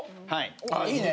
あいいね。